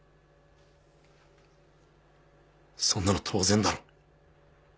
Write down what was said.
そんなの当然だろ。